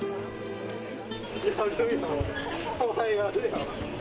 やるやん、お前、やるやん。